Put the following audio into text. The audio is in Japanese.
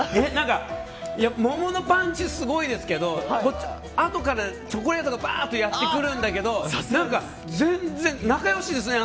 桃のパンチすごいですけどあとからチョコレートがやってくるんだけど全然、仲良しですね